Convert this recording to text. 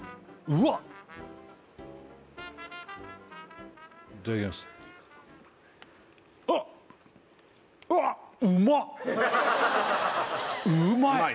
うわっうまい！